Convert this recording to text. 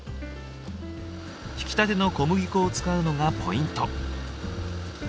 ひきたての小麦粉を使うのがポイント。